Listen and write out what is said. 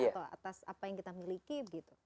atau atas apa yang kita miliki begitu